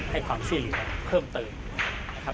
ให้ความชื่อหลักเพิ่มเติม